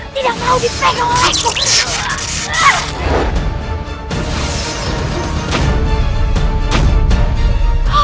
tidak mau dipegang olehku